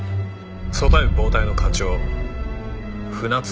組対部暴対の課長船津成男だ。